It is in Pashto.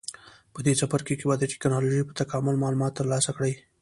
په دې څپرکي کې به د ټېکنالوجۍ په تکامل معلومات ترلاسه کړئ.